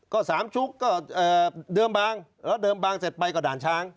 ก็สามชุกก็เดิมบางแล้วเดิมบางเสร็จไปก็ด่านช้าง